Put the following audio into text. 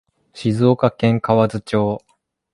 静岡県河津町